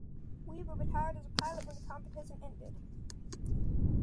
Weaver retired as a pilot when the competition ended.